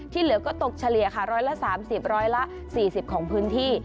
เหลือก็ตกเฉลี่ยค่ะ๑๓๐ร้อยละ๔๐ของพื้นที่